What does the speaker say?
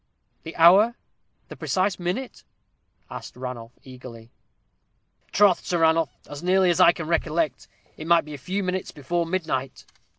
"The hour? the precise minute?" asked Ranulph, eagerly. "Troth, Sir Ranulph, as nearly as I can recollect, it might be a few minutes before midnight."